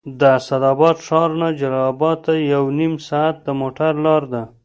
د اسداباد ښار نه جلال اباد ته یو نیم ساعت د موټر لاره ده